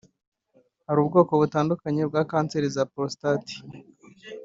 Hari ubwoko butandukanye bwa kanseri ya prostate